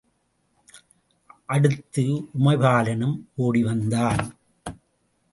அடுத்து உமைபாலனும் ஓடிவந்தான்.